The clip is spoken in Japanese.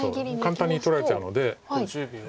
簡単に取られちゃうので。